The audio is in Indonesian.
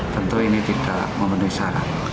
tentu ini tidak memenuhi syarat